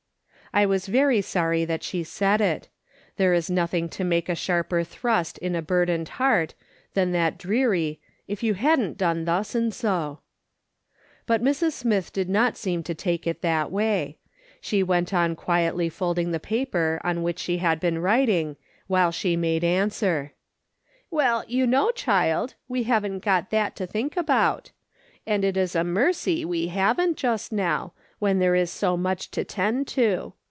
I was very sorry that she said it. There is nothing to make a sharper thrust in a burdened heart than that dreary " if you hadn't done thus and so." But Mrs. Smith did not seem to take it in that way. She "THERE WASX'T ANYTHING ELSE TO DO." 305 went on quietl}' folding tlie paper on which she had been writing, while she made answer :" Well, you know, child, we haven't got that to tliink about; and it is a mercy we haven't just now, when there is so much to tend to.